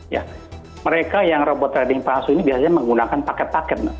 ya mereka yang robot trading palsu ini biasanya menggunakan paket paket